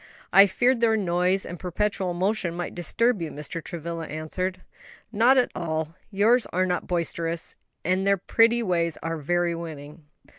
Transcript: "I feared their noise and perpetual motion might disturb you," Mr. Travilla answered. "Not at all; yours are not boisterous, and their pretty ways are very winning."